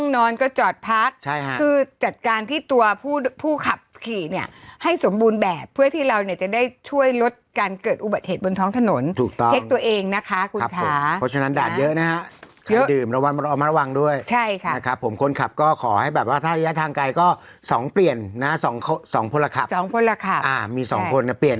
สองสองสองพอละคับสองพอละคับอ่ามีสองคนเนี้ยเปลี่ยน